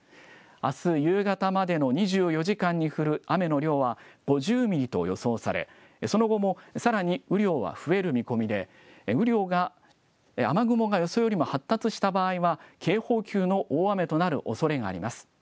あす夕方までの２４時間に降る雨の量は５０ミリと予想され、その後もさらに雨量は増える見込みで、雨雲が予想よりも発達した場合は、警報級の大雨となるおそれがあります。